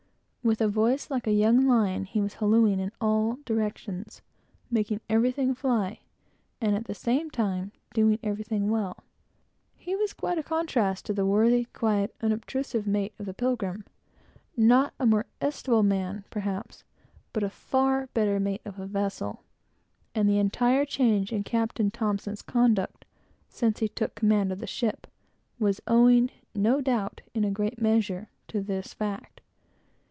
With a voice like a young lion, he was hallooing and bawling, in all directions, making everything fly, and, at the same time, doing everything well. He was quite a contrast to the worthy, quiet, unobtrusive mate of the Pilgrim; not so estimable a man, perhaps, but a far better mate of a vessel; and the entire change in Captain T 's conduct, since he took command of the ship, was owing, no doubt, in a great measure, to this fact.